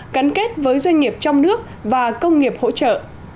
gắn kết với doanh nghiệp trong nước và công nghiệp hỗ trợ